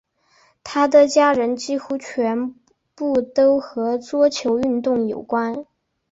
她的家人几乎全部都和桌球运动有关。